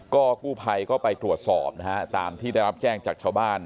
ก็กู้ภัยก็ไปตรวจสอบนะฮะตามที่ได้รับแจ้งจากชาวบ้าน